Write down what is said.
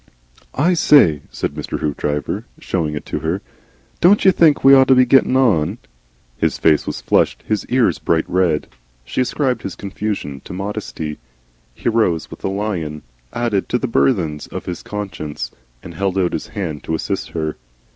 "I say," said Mr. Hoopdriver, showing it to her, "don't you think we ought to be getting on?" His face was flushed, his ears bright red. She ascribed his confusion to modesty. He rose with a lion added to the burthens of his conscience, and held out his hand to assist her.